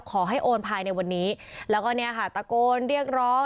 โอนภายในวันนี้แล้วก็เนี่ยค่ะตะโกนเรียกร้อง